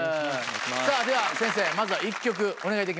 さぁでは先生まずは１曲お願いできますか。